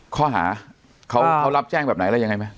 ข้อหาเขารับแจ้งแบบไหนอะไรยังไงไหม